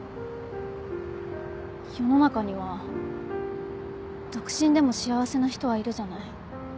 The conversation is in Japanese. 世の中には独身でも幸せな人はいるじゃない。